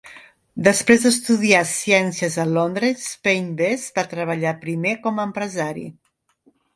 Després d'estudiar ciències a Londres, Payne Best va treballar primer com a empresari.